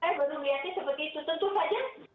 saya baru melihatnya seperti itu tentu saja